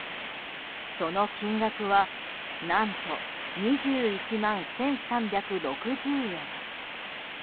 その金額は何と２１万１３６０円。